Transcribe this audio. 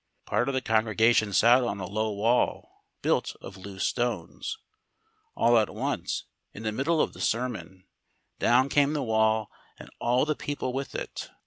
Part of the congregation sat on a low wall built of loose stones; all at once, in the middle of the sermon, down came the wall and all the people with it.